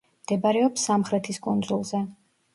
მდებარეობს სამხრეთის კუნძულზე.